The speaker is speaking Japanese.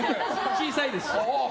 小さいです。